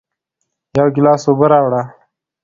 یو گیلاس اوبه راوړه